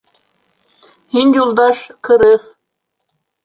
— Һин, Юлдаш, ҡырыҫ.